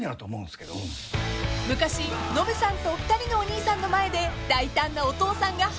［昔ノブさんと２人のお兄さんの前で大胆なお父さんが放った一言］